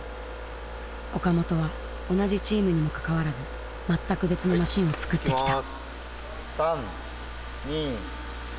岡本は同じチームにもかかわらず全く別のマシンを作ってきた。